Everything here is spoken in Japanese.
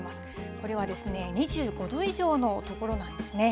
これは２５度以上の所なんですね。